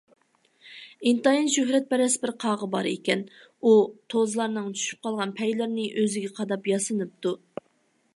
ئىنتايىن شۆھرەتپەرەس بىر قاغا بار ئىكەن. ئۇ توزلارنىڭ چۈشۈپ قالغان پەيلىرىنى ئۆزىگە قاداپ ياسىنىپتۇ.